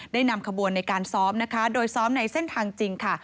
นำขบวนในการซ้อมนะคะโดยซ้อมในเส้นทางจริงค่ะ